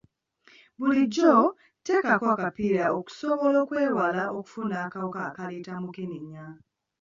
Bulijjo teekako akapiira okusobola okwewala okufuna akawuka akaleeta mukenenya.